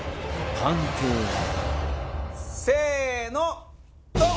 判定はせーのドン！